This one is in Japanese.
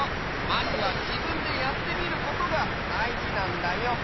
まずは「自分で」やってみることがだいじなんだよ。